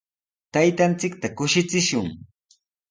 Taytanchikta kushichishun.